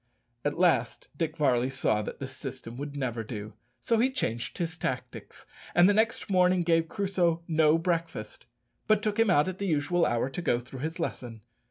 At last Dick Varley saw that this system would never do, so he changed his tactics, and the next morning gave Crusoe no breakfast, but took him out at the usual hour to go through his lesson.